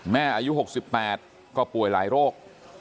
อายุ๖๘ก็ป่วยหลายโรค